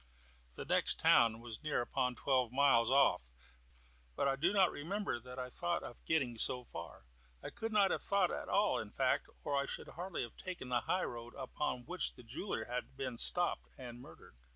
The next town was near upon twelve miles off, but I do not remember that I thought of getting so far. I could not have thought at all, in fact, or I should hardly have taken the high road upon which the jeweller had been stopped and murdered.